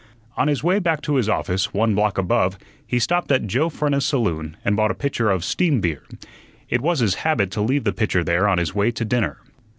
On his way back to his office, one block above, he stopped at Joe Frenna's saloon and bought a pitcher of steam beer. It was his habit to leave the pitcher there on his way to dinner.